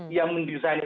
yang mendesain itu